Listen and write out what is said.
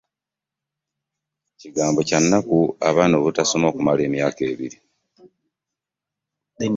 Kigambo kya nnaku abaana obutasoma okumala emyaka ebiri.